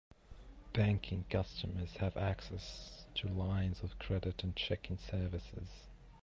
Banking customers have access to lines of credit and checking services.